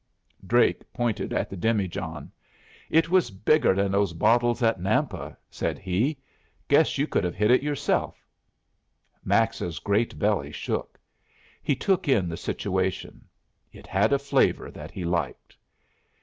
Drake pointed at the demijohn. "It was bigger than those bottles at Nampa," said he. "Guess you could have hit it yourself." Max's great belly shook. He took in the situation. It had a flavor that he liked.